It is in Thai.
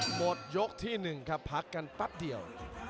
หมดยกที่๑ครับพักกันแป๊บเดียว